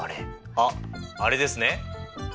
あっあれですねベン図！